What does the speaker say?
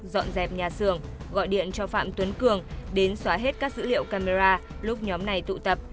dọn dẹp nhà xưởng gọi điện cho phạm tuấn cường đến xóa hết các dữ liệu camera lúc nhóm này tụ tập